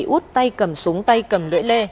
út tay cầm súng tay cầm lưỡi lê